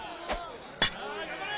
・頑張れ！